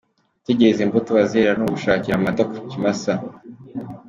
Gutegereza imbuto bazera ni ugushakira amata ku kimasa.